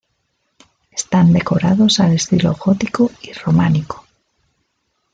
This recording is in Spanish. Están decorados al estilo gótico y románico.